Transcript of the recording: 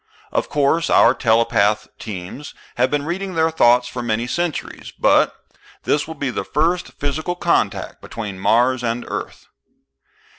Of course our telepath teams have been reading their thoughts for many centuries, but this will be the first physical contact between Mars and Earth."